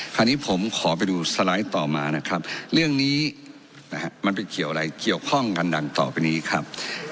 คราวนี้ผมขอไปดูสไลด์ต่อมานะครับเรื่องนี้นะฮะมันไปเกี่ยวอะไรเกี่ยวข้องกันดังต่อไปนี้ครับ